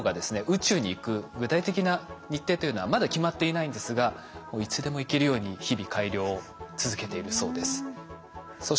宇宙に行く具体的な日程というのはまだ決まっていないんですがいつでも行けるように日々改良を続けているそうです。